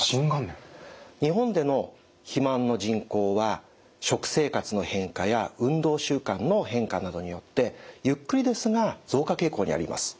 日本での肥満の人口は食生活の変化や運動習慣の変化などによってゆっくりですが増加傾向にあります。